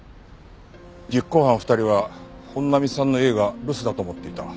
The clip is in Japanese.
実行犯２人は本並さんの家が留守だと思っていた。